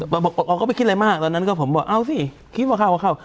บอกอ๋อก็ไม่คิดอะไรมากตอนนั้นก็ผมบอกเอาสิคิดว่าเข้าก็เข้า